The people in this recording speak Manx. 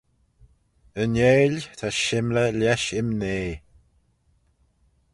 Yn eill ta shymley lesh imnea.